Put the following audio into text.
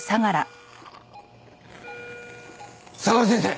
相良先生！